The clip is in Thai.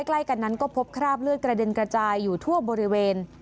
ใกล้กันนั้นก็พบคราบเลือดกระเด็นกระจายอยู่ทั่วบริเวณ